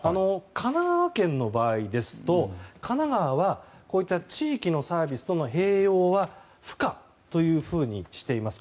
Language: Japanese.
神奈川県の場合ですと神奈川はこういった地域のサービスとの併用は不可としています。